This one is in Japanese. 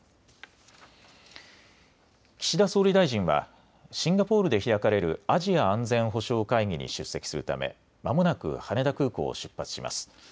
岸田総理大臣はシンガポールで開かれるアジア安全保障会議に出席するため、まもなく羽田空港を出発します。